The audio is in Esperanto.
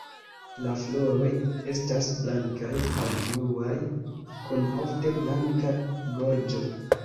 La floroj estas blankaj aŭ bluaj kun ofte blanka gorĝo.